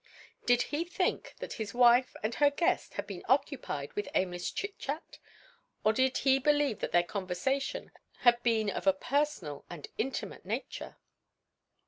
Did he think that his wife and her guest had been occupied with aimless chit chat, or did he believe that their conversation had been of a personal and intimate nature?